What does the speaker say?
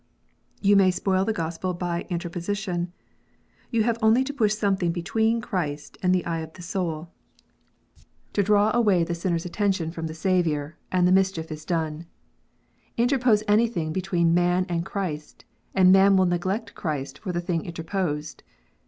You may spoil the Gospel by interposition. You have only to push something between Christ and the eye of the soul, to EVANGELICAL EELIGION, 17 draw away the sinner s attention from the Saviour, and the mischief is done. Interpose anything between man and Christ, and man will neglect Christ for the thing interposed